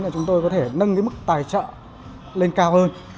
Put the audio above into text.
là chúng tôi có thể nâng cái mức tài trợ lên cao hơn